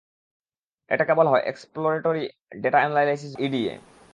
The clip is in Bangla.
এটাকে বলা হয় এক্সপ্লোরেটেরি ডেটা এনালাইসিস বা ইডিএ।